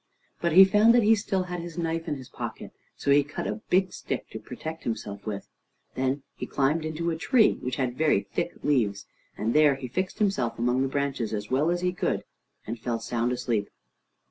But he found that he still had his knife in his pocket, so he cut a big stick to protect himself with. Then he climbed into a tree which had very thick leaves, and there he fixed himself among the branches as well as he could, and fell sound asleep.